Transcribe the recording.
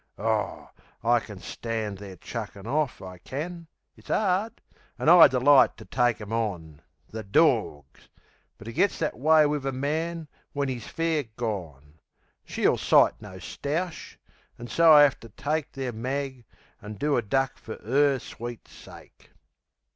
Aw, I can stand their chuckin' off, I can. It's 'ard; an' I'd delight to take 'em on. The dawgs! But it gets that way wiv a man When 'e's fair gone. She'll sight no stoush; an' so I have to take Their mag, an' do a duck fer her sweet sake.